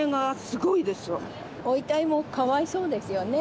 ご遺体もかわいそうですよね。